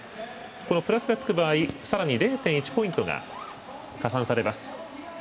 この＋がつく場合、さらに０．１ポイントが加算されます。